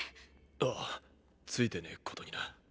あぁついてねえことにな。